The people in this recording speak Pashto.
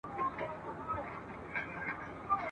غداره زمانه ده اوس باغوان په باور نه دی ..